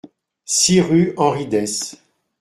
six rue Henri Dès